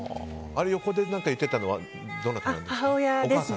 横で何か言っていたのはどなたなんですか？